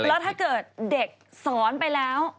แล้วถ้าเกิดเด็กสอนไปแล้ว